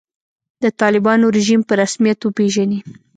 د طالبانو رژیم په رسمیت وپېژني.